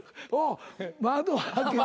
窓開けて。